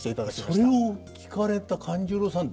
それを聞かれた勘十郎さん